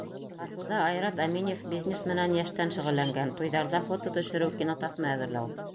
Асылда Айрат Әминев бизнес менән йәштән шөғөлләнгән: туйҙарҙа фото төшөрөү, кинотаҫма әҙерләү...